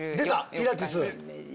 ピラティス。